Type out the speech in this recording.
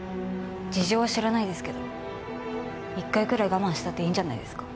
事情は知らないですけど一回ぐらい我慢したっていいんじゃないですか？